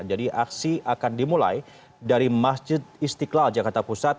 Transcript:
jadi aksi akan dimulai dari masjid istiqlal jakarta pusat